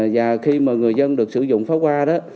và khi mà người dân được sử dụng pháo hoa đó